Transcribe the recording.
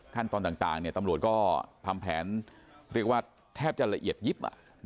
ขั้นตอนต่างตำรวจก็ทำแผนเรียกว่าแทบจะละเอียดยิบ